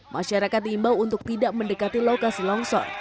masyarakat diimbau untuk tidak mendekati lokasi longsor